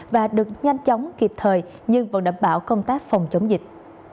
và được nhanh chóng kịp thời nhưng vẫn đảm bảo công tác phòng chống dịch